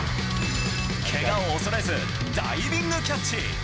けがを恐れずダイビングキャッチ。